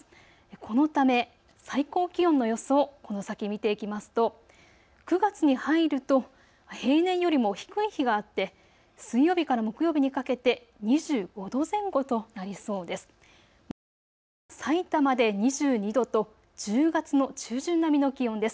このため最高気温の予想、この先、見ていきますと９月に入ると平年よりも低い日があって水曜日から木曜日にかけて２５度前後となりそうです。